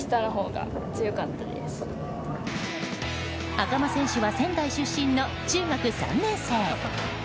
赤間選手は仙台出身の中学３年生。